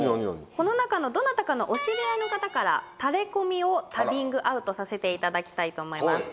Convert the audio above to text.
この中のどなたかのお知り合いの方からタレコミを旅ングアウトさせていただきたいと思います